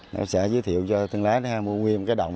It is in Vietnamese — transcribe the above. hợp tác xã giới thiệu cho thân lái mua nguyên một cái đồng